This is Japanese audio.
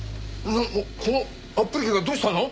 このアップリケがどうしたの？